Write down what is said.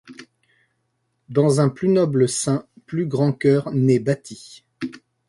Dans un plus noble séin plus grand coeur né battit !